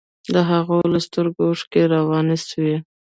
د هغوى له سترګو اوښكې روانې سوې.